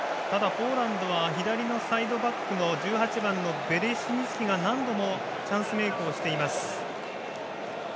ポーランドは左のサイドバックの１８番のベレシニスキが何度もチャンスメイクをしています。